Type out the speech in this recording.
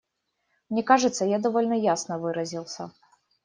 Мне кажется, я довольно ясно выразился.